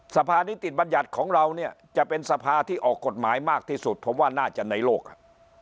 สภานิติบัญญัติของเราเนี่ยจะเป็นสภาที่ออกกฎหมายมากที่สุดผมว่าน่าจะในโลกอ่ะ